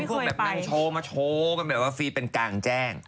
มีคนแบบนั้นโชว์มาโชว์ก็ไม่เอาว่าฟรีเป็นกลางแจ้ง